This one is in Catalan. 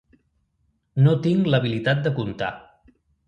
No tinc l'habilitat de comptar.